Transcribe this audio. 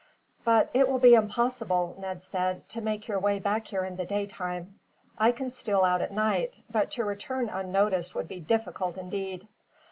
"But it will be impossible," Ned said, "to make your way back here in the daytime. I can steal out at night, but to return unnoticed would be difficult, indeed."